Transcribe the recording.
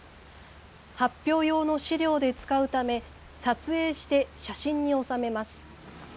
発表用の資料に使うため撮影して写真に収めます。